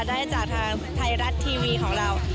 สนับสนุนไทยรัดทีวีของเรา